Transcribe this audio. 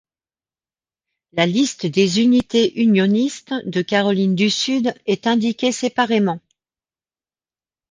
La liste des unités unionistes de Caroline du Sud est indiquée séparément.